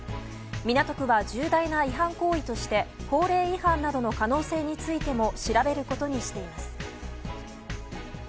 港区は重大な違反行為として法令違反などの可能性についても調べることにしています。